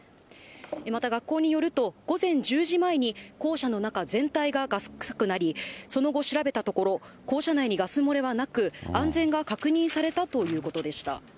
また、学校によると午前１０時前に校舎の中全体がガス臭くなり、その後、調べたところ、校舎内にガス漏れはなく、安全が確認されたということでした。